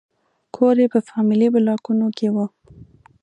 کور یې په فامیلي بلاکونو کې و.